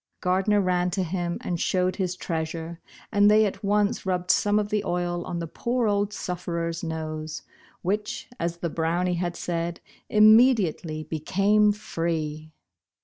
Gardner ran to him and showed his treasure, and they at once rubbed some of the oil on the poor old sufterer's nose, which, as the Brownie had said, immediately be came free